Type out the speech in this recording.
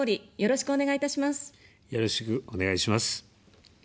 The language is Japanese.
よろしくお願いします。